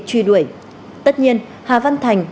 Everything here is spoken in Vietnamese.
truy đuổi tất nhiên hà văn thành